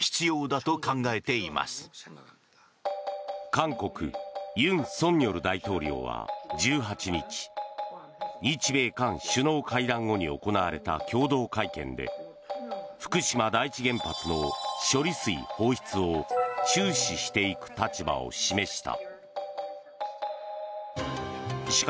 韓国、尹錫悦大統領は１８日日米韓首脳会談後に行われた共同会見で福島第一原発の処理水放出を注視していく立場を示した。